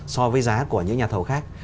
so với giá của những nhà thầu khác